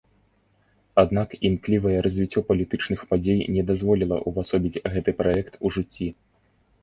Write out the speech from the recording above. Аднак імклівае развіццё палітычных падзей не дазволіла увасобіць гэты праект у жыцці.